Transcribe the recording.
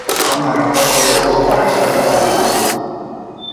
Homa ya mapafu husababishwa na kuchanganya wanyama